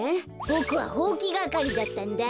ボクはほうきがかりだったんだ。